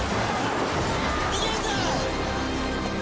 逃げるぞ！